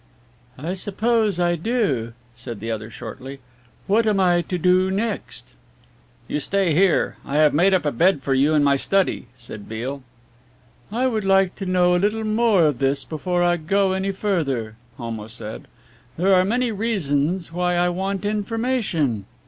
"I suppose I do," said the other shortly; "what am I to do next?" "You stay here. I have made up a bed for you in my study," said Beale. "I would like to know a little more of this before I go any further," Homo said, "there are many reasons why I want information."